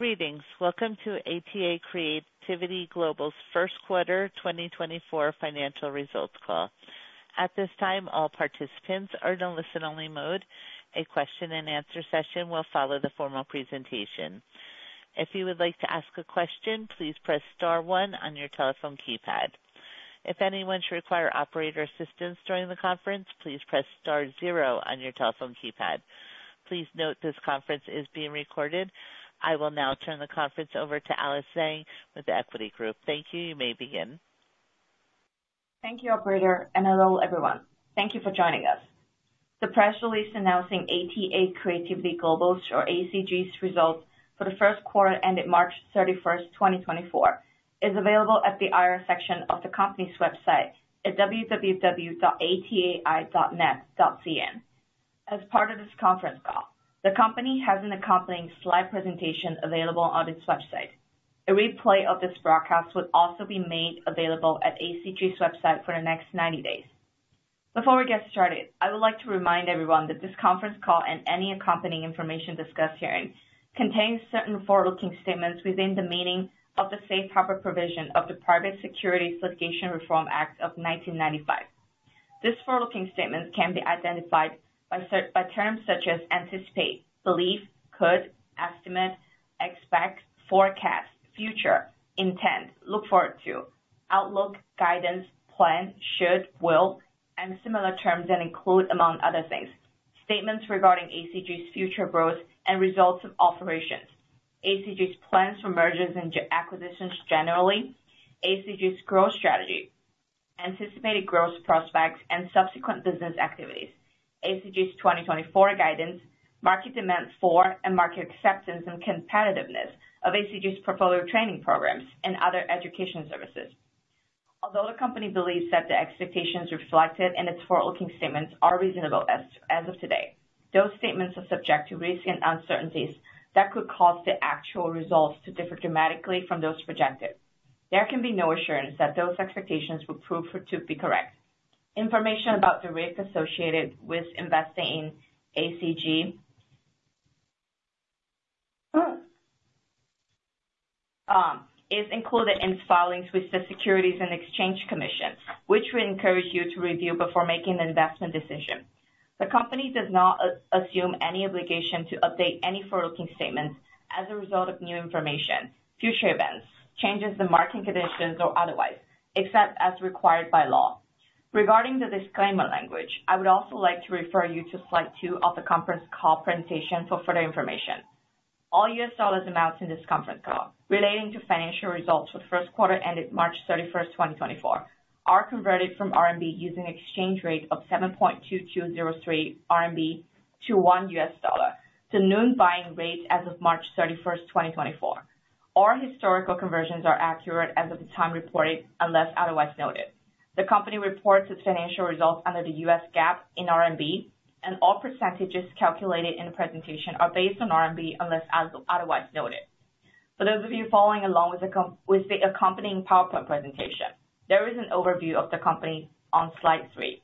Greetings. Welcome to ATA Creativity Global's first quarter 2024 financial results call. At this time, all participants are in a listen-only mode. A question-and-answer session will follow the formal presentation. If you would like to ask a question, please press star one on your telephone keypad. If anyone should require operator assistance during the conference, please press star zero on your telephone keypad. Please note, this conference is being recorded. I will now turn the conference over to Alice Zhang with the Equity Group. Thank you. You may begin. Thank you, operator, and hello, everyone. Thank you for joining us. The press release announcing ATA Creativity Global's, or ACG's, results for the first quarter ended March 31, 2024, is available at the IR section of the company's website at www.atai.net.cn. As part of this conference call, the company has an accompanying slide presentation available on its website. A replay of this broadcast will also be made available at ACG's website for the next 90 days. Before we get started, I would like to remind everyone that this conference call and any accompanying information discussed herein contains certain forward-looking statements within the meaning of the safe harbor provision of the Private Securities Litigation Reform Act of 1995. These forward-looking statements can be identified by by terms such as anticipate, believe, could, estimate, expect, forecast, future, intent, look forward to, outlook, guidance, plan, should, will, and similar terms, and include, among other things, statements regarding ACG's future growth and results of operations, ACG's plans for mergers into acquisitions generally, ACG's growth strategy, anticipated growth prospects and subsequent business activities, ACG's 2024 guidance, market demand for and market acceptance and competitiveness of ACG's portfolio training programs and other education services. Although the company believes that the expectations reflected in its forward-looking statements are reasonable as of today, those statements are subject to risks and uncertainties that could cause the actual results to differ dramatically from those projected. There can be no assurance that those expectations will prove for to be correct. Information about the risk associated with investing in ACG is included in its filings with the Securities and Exchange Commission, which we encourage you to review before making an investment decision. The company does not assume any obligation to update any forward-looking statements as a result of new information, future events, changes in market conditions or otherwise, except as required by law. Regarding the disclaimer language, I would also like to refer you to slide 2 of the conference call presentation for further information. All US dollar amounts in this conference call relating to financial results for the first quarter ended March 31, 2024, are converted from RMB using exchange rate of 7.2203 RMB to one US dollar, the noon buying rate as of March 31, 2024. All historical conversions are accurate as of the time reported, unless otherwise noted. The company reports its financial results under the U.S. GAAP in RMB, and all percentages calculated in the presentation are based on RMB, unless otherwise noted. For those of you following along with the accompanying PowerPoint presentation, there is an overview of the company on slide 3.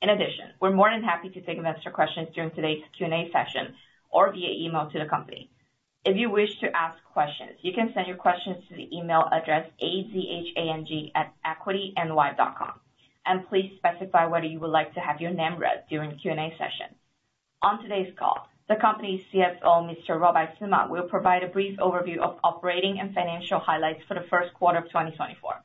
In addition, we're more than happy to take investor questions during today's Q&A session or via email to the company. If you wish to ask questions, you can send your questions to the email address, azhang@equityny.com, and please specify whether you would like to have your name read during the Q&A session. On today's call, the company's CFO, Mr. Ruobai Sima, will provide a brief overview of operating and financial highlights for the first quarter of 2024.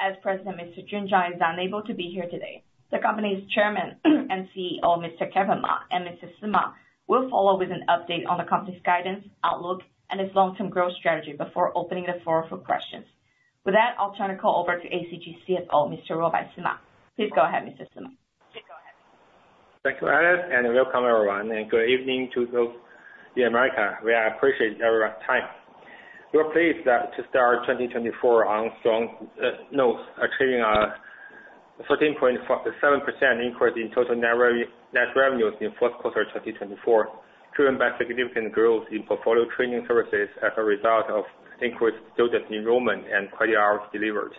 As President, Mr. Jun Zhang, is unable to be here today, the company's chairman and CEO, Mr. Kevin Sima and Mr. Sima, will follow with an update on the company's guidance, outlook, and its long-term growth strategy before opening the floor for questions. With that, I'll turn the call over to ACG CFO, Mr. Ruobai Sima. Please go ahead, Mr. Sima. Please go ahead. Thank you, Alice, and welcome, everyone. Good evening to those in America. We appreciate your time. We are pleased to start 2024 on strong notes, achieving a 13.7% increase in total net revenues in fourth quarter 2024, driven by significant growth in portfolio training services as a result of increased student enrollment and credit hours delivered.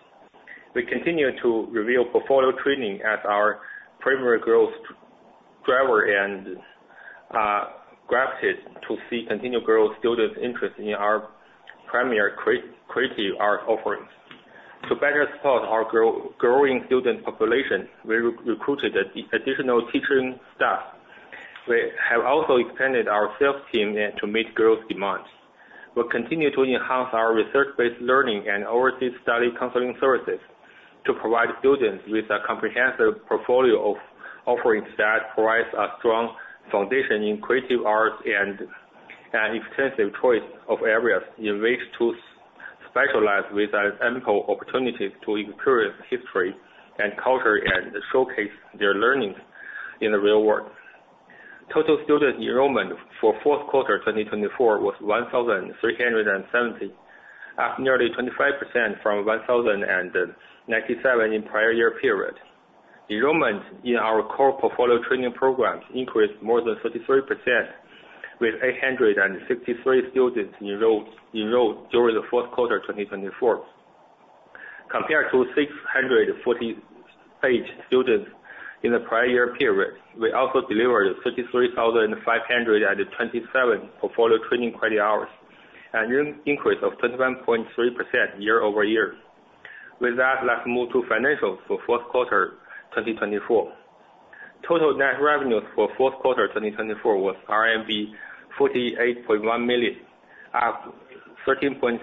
We continue to regard portfolio training as our primary growth driver and glad to see continued growth, students' interest in our primary creative art offerings. To better support our growing student population, we recruited additional teaching staff. We have also expanded our sales team to meet growth demands. We'll continue to enhance our research-based learning and overseas study counseling services to provide students with a comprehensive portfolio of offerings that provides a strong foundation in creative arts and an extensive choice of areas in which to specialize with ample opportunities to experience history and culture, and showcase their learnings in the real world. Total student enrollment for fourth quarter 2024 was 1,370, up nearly 25% from 1,097 in prior year period. Enrollment in our core portfolio training programs increased more than 33%, with 863 students enrolled during the fourth quarter 2024 compared to 648 students in the prior year period. We also delivered 33,527 portfolio training credit hours, an increase of 21.3% year-over-year. With that, let's move to financials for fourth quarter 2024. Total net revenues for fourth quarter 2024 was RMB 48.1 million, up 13.7%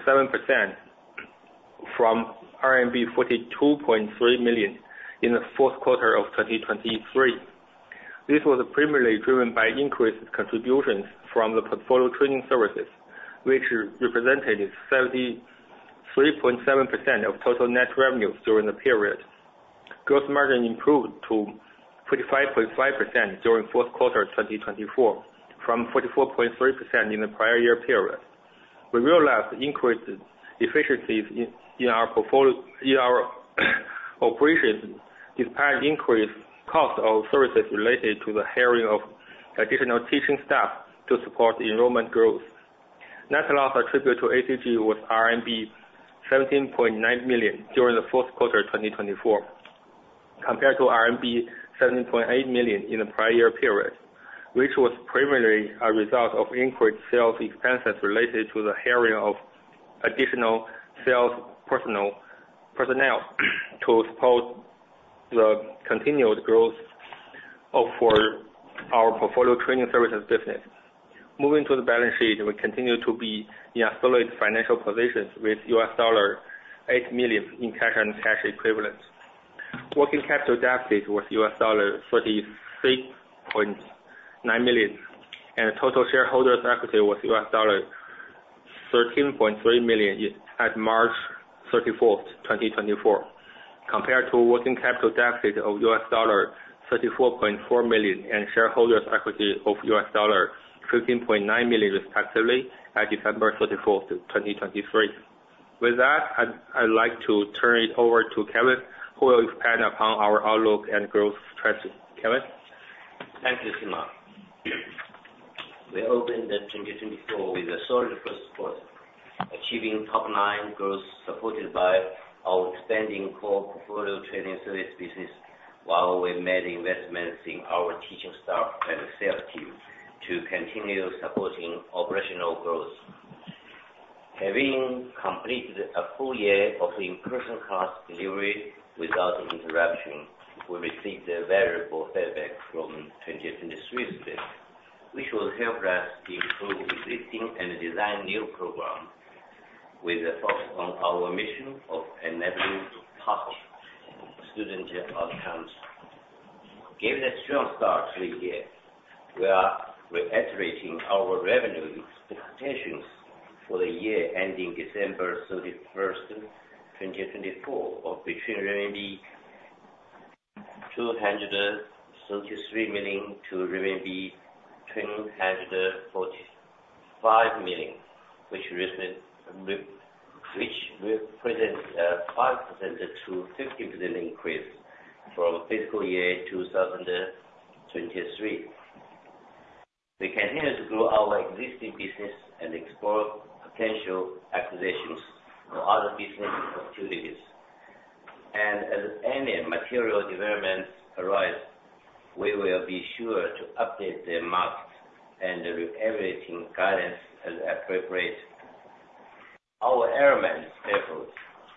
from RMB 42.3 million in the fourth quarter of 2023. This was primarily driven by increased contributions from the portfolio training services, which represented 73.7% of total net revenues during the period. Gross margin improved to 45.5% during fourth quarter 2024, from 44.3% in the prior year period. We realized increased efficiencies in our operations, despite increased cost of services related to the hiring of additional teaching staff to support enrollment growth. Net loss attributed to ACG was RMB 17.9 million during the fourth quarter 2024, compared to RMB 17.8 million in the prior year period, which was primarily a result of increased sales expenses related to the hiring of additional sales personnel to support the continued growth of our portfolio training services business. Moving to the balance sheet, we continue to be in a solid financial position with $8 million in cash and cash equivalents. Working capital deficit was $36.9 million, and total shareholders' equity was $13.3 million at March 31, 2024, compared to working capital deficit of $34.4 million, and shareholders' equity of $15.9 million, respectively, at December 31, 2023. With that, I'd like to turn it over to Kevin, who will expand upon our outlook and growth trends. Kevin? Thank you, Simon. We opened 2024 with a solid first quarter, achieving top-line growth, supported by our expanding core portfolio training service business, while we made investments in our teaching staff and sales team to continue supporting operational growth. Having completed a full year of in-person class delivery without interruption, we received valuable feedback from 2023 students, which will help us improve existing and design new programs with a focus on our mission of enabling possible student outcomes. Given a strong start to the year, we are reiterating our revenue expectations for the year ending December 31, 2024, of between renminbi 233 million to renminbi 245 million, which represents a 5%-50% increase from fiscal year 2023. We continue to grow our existing business and explore potential acquisitions and other business opportunities. As any material developments arise, we will be sure to update the market and revise our guidance as appropriate. Our enrollment efforts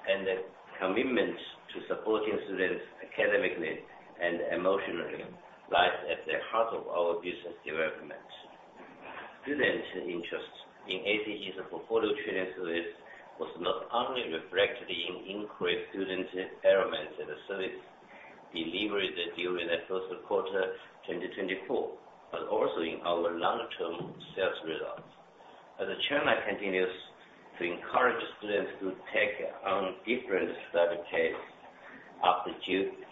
and the commitment to supporting students academically and emotionally lies at the heart of our business development. Student interest in ACG's portfolio training service was not only reflected in increased student enrollment and service delivery during the first quarter 2024, but also in our long-term sales results. As China continues to encourage students to take on different study paths after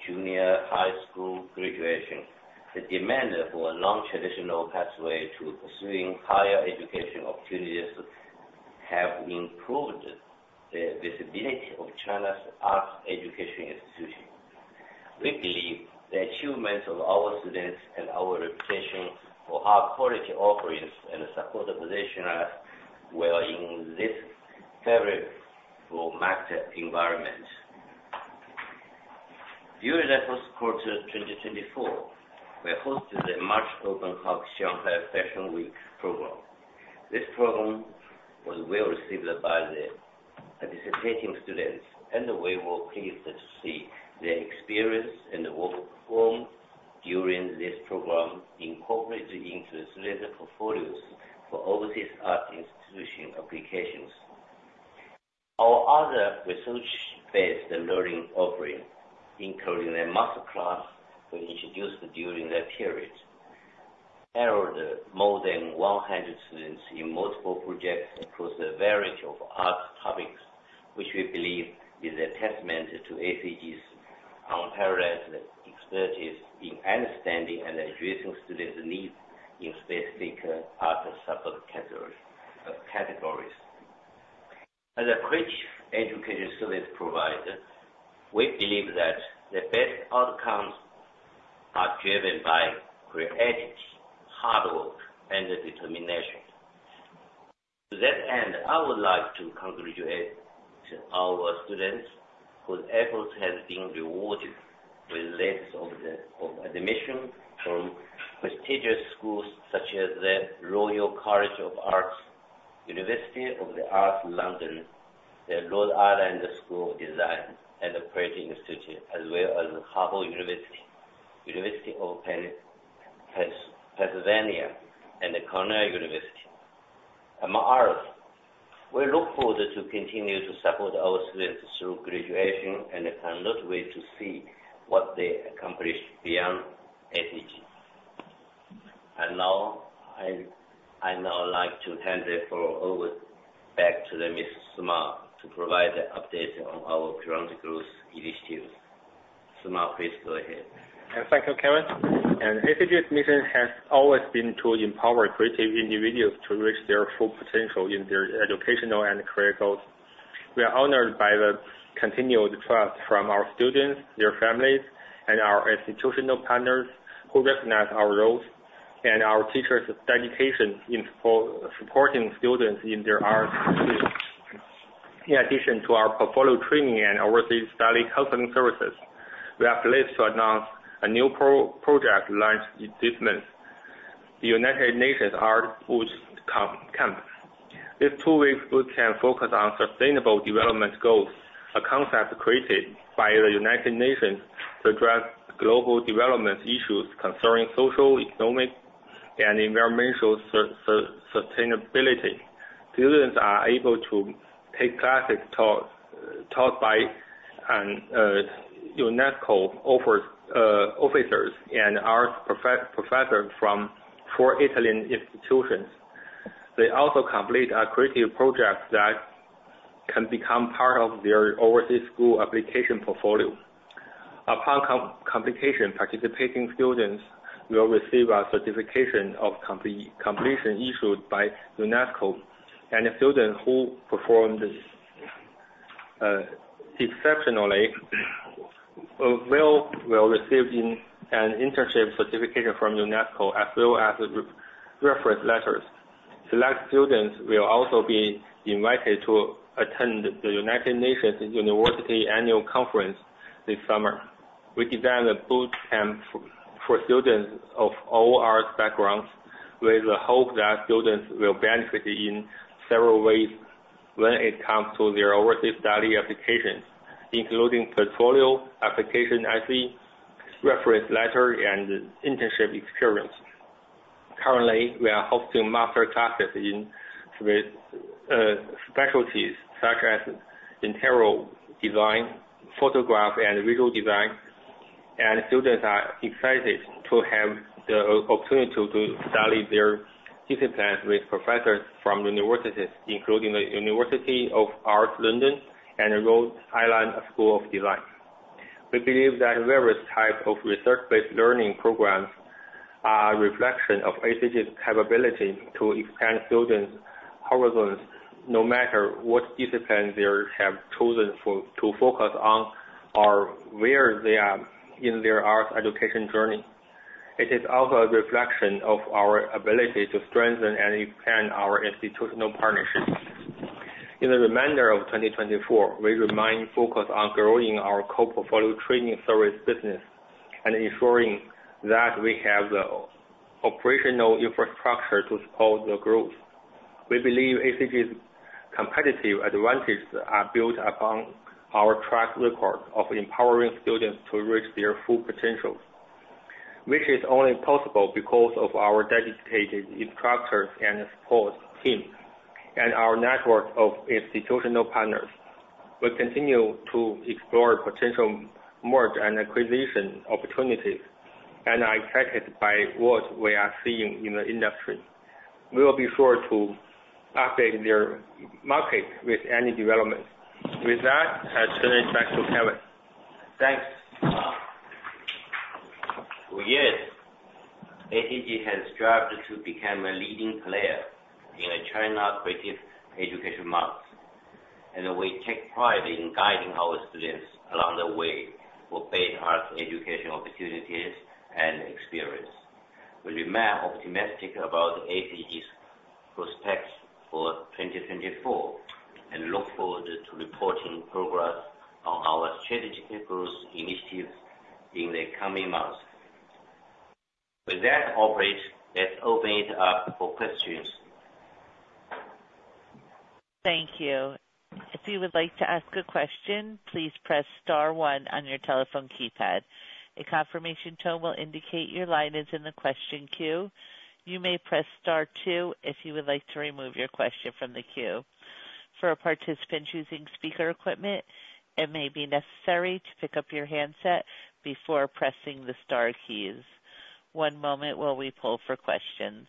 junior high school graduation, the demand for a non-traditional pathway to pursuing higher education opportunities have improved the visibility of China's arts education institution. We believe the achievements of our students and our reputation for high quality offerings and support position us well in this favorable market environment. During the first quarter of 2024, we hosted the March Open House Shanghai Fashion Week Program. This program was well received by the participating students, and we were pleased to see their experience and the work performed during this program incorporated into student portfolios for overseas art institution applications. Our other research-based learning offering, including a Master Class, were introduced during that period, enrolled more than 100 students in multiple projects across a variety of art topics, which we believe is a testament to ACG's unparalleled expertise in understanding and addressing students' needs in specific art subcategories, categories. As a rich education service provider, we believe that the best outcomes are driven by creativity, hard work, and determination. To that end, I would like to congratulate our students whose efforts have been rewarded with letters of admission from prestigious schools such as the Royal College of Art, University of the Arts London, the Rhode Island School of Design, and the Pratt Institute, as well as Harvard University, University of Pennsylvania, and Cornell University, among others. We look forward to continue to support our students through graduation, and I cannot wait to see what they accomplish beyond ACG. And now, I'd now like to hand it over back to the Mr. Sima to provide an update on our current growth initiatives. Ma, please go ahead. Thank you, Kevin. ACG's mission has always been to empower creative individuals to reach their full potential in their educational and career goals. We are honored by the continued trust from our students, their families, and our institutional partners, who recognize our roles and our teachers' dedication in supporting students in their arts careers. In addition to our portfolio training and overseas study counseling services, we are pleased to announce a new project launched this month, the United Nations Art Boot Camp. This two-week boot camp focused on Sustainable Development Goals, a concept created by the United Nations to address global development issues concerning social, economic, and environmental sustainability. Students are able to take classes taught by UNESCO officers and arts professors from four Italian institutions. They also complete a creative project that can become part of their overseas school application portfolio. Upon completion, participating students will receive a certification of completion issued by UNESCO, and the students who performed exceptionally will receive an internship certification from UNESCO, as well as reference letters. Selected students will also be invited to attend the United Nations University Annual Conference this summer. We designed a boot camp for students of all arts backgrounds, with the hope that students will benefit in several ways when it comes to their overseas study applications, including portfolio, application essay, reference letter, and internship experience. Currently, we are hosting master classes with specialties such as interior design, photography, and visual design. Students are excited to have the opportunity to study their disciplines with professors from universities, including the University of the Arts London, and Rhode Island School of Design. We believe that various types of research-based learning programs are a reflection of ACG's capability to expand students' horizons, no matter what discipline they have chosen to focus on or where they are in their arts education journey. It is also a reflection of our ability to strengthen and expand our institutional partnerships. In the remainder of 2024, we remain focused on growing our core portfolio training service business and ensuring that we have the operational infrastructure to support the growth. We believe ACG's competitive advantages are built upon our track record of empowering students to reach their full potentials, which is only possible because of our dedicated instructors and support team, and our network of institutional partners. We continue to explore potential merger and acquisition opportunities and are excited by what we are seeing in the industry. We will be sure to update the market with any development. With that, I turn it back to Kevin. Thanks. For years, ACG has strived to become a leading player in the China creative education market, and we take pride in guiding our students along the way for better education opportunities and experience. We remain opt about ACG's prospects for 2024 and look forward to reporting progress on our strategic growth initiatives in the coming months. With that, operator, let's open it up for questions. Thank you. If you would like to ask a question, please press star one on your telephone keypad. A confirmation tone will indicate your line is in the question queue. You may press star two if you would like to remove your question from the queue. For participants using speaker equipment, it may be necessary to pick up your handset before pressing the star keys. One moment while we poll for questions.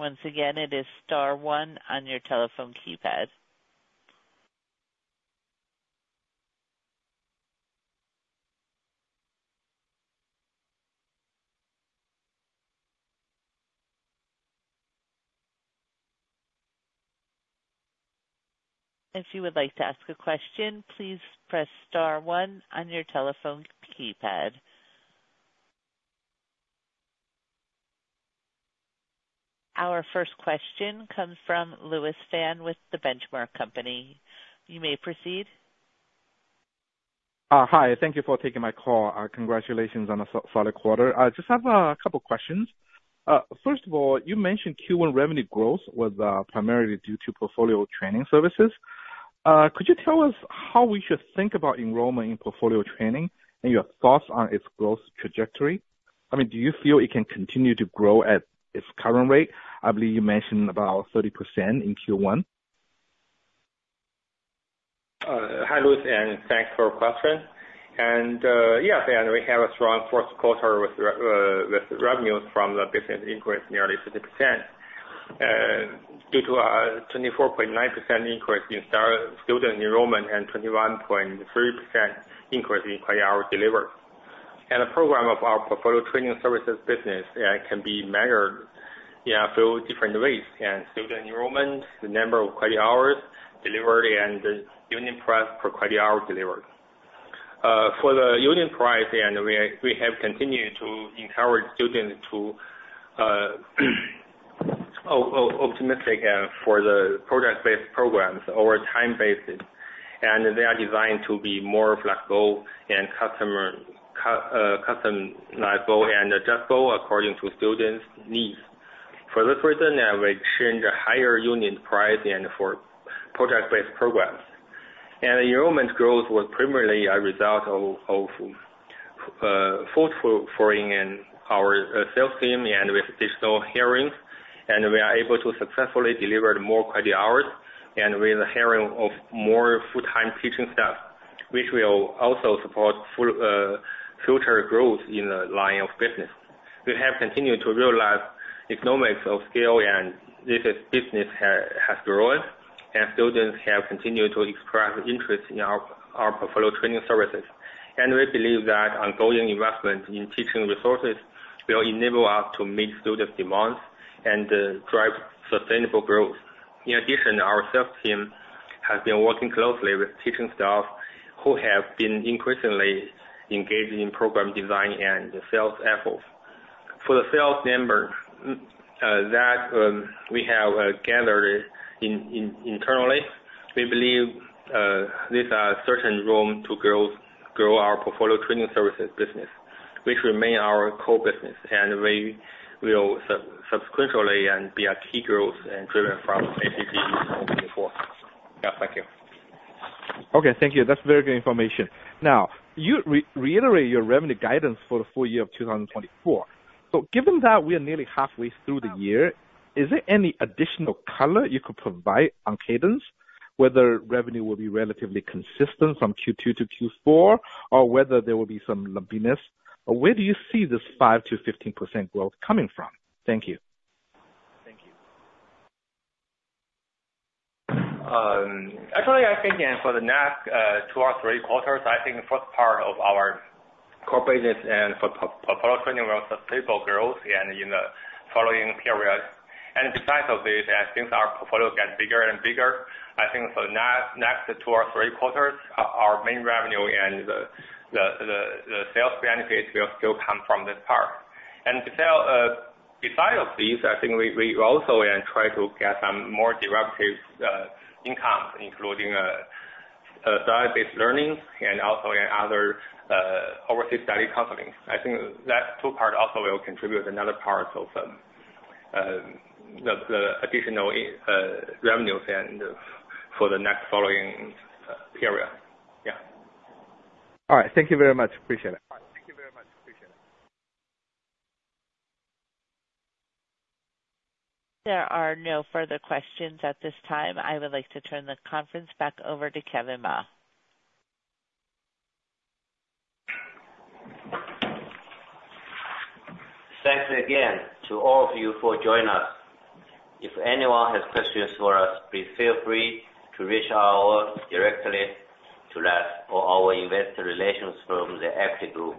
Once again, it is star one on your telephone keypad. If you would like to ask a question, please press star one on your telephone keypad. Our first question comes from Louis Fan with The Benchmark Company. You may proceed. Hi, thank you for taking my call. Congratulations on a solid quarter. I just have a couple questions. First of all, you mentioned Q1 revenue growth was primarily due to portfolio training services. Could you tell us how we should think about enrollment in portfolio training and your thoughts on its growth trajectory? I mean, do you feel it can continue to grow at its current rate? I believe you mentioned about 30% in Q1. Hi, Louis, and thanks for your question. We have a strong first quarter with revenues from the business increased nearly 50%. Due to a 24.9% increase in student enrollment and 21.3% increase in credit hour delivered. The program of our portfolio training services business can be measured through different ways and student enrollment, the number of credit hours delivered, and the unit price per credit hour delivered. For the unit price, we have continued to encourage students to optimistic for the product-based programs over time basis. They are designed to be more flexible and customizable and adjustable according to students' needs. For this reason, I will change a higher unit price and for product-based programs. The enrollment growth was primarily a result of sales force hiring in our sales team and with digital hiring, and we are able to successfully deliver more credit hours and with the hiring of more full-time teaching staff, which will also support future growth in the line of business. We have continued to realize economies of scale, and this business has grown, and students have continued to express interest in our portfolio training services. We believe that ongoing investment in teaching resources will enable us to meet students' demands and drive sustainable growth. In addition, our sales team has been working closely with teaching staff, who have been increasingly engaged in program design and sales efforts. For the sales momentum that we have gathered internally, we believe there's a certain room to grow our portfolio training services business, which remains our core business, and we will subsequently be a key growth driver from ATA moving forward. Yeah. Thank you. Okay, thank you. That's very good information. Now, you reiterate your revenue guidance for the full year of 2024. So given that we are nearly halfway through the year, is there any additional color you could provide on cadence? Whether revenue will be relatively consistent from Q2 to Q4, or whether there will be some lumpiness, or where do you see this 5%-15% growth coming from? Thank you. Thank you. Actually, I think, and for the next two or three quarters, I think the first part of our core business and for portfolio training will sustainable growth and in the following period. And besides of this, as things our portfolio get bigger and bigger, I think for the next two or three quarters, our main revenue and the sales benefits will still come from this part. And to sell, besides of this, I think we also try to get some more diversified income, including research-based learnings and also in other overseas study counseling. I think that two part also will contribute another part of the additional revenues and for the next following period. Yeah. All right. Thank you very much. Appreciate it. Thank you very much. Appreciate it. There are no further questions at this time. I would like to turn the conference back over to Kevin Ma. Thanks again to all of you for joining us. If anyone has questions for us, please feel free to reach out directly to us or our investor relations firm, The Equity Group.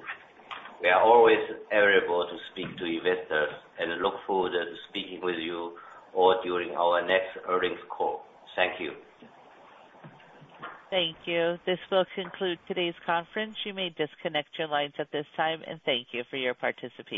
We are always available to speak to investors and look forward to speaking with you all during our next earnings call. Thank you. Thank you. This will conclude today's conference. You may disconnect your lines at this time, and thank you for your participation.